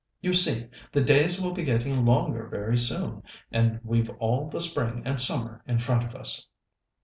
You see, the days will be getting longer very soon, and we've all the spring and summer in front of us."